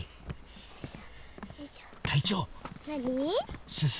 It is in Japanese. よいしょ。